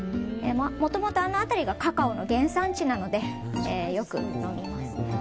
もともとあの辺りがカカオの原産地なのでよく飲みます。